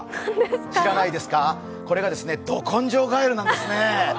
知らないですか、これがですね、「ど根性ガエル」なんですね。